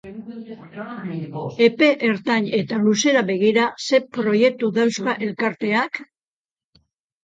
Epe ertain eta luzera begira, zer proiektu dauzka elkarteak?